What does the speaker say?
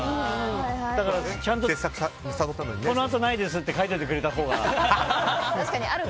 だから、このあとないですって書いておいてくれたほうが。